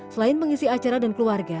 selain mengisi acara dan keluarga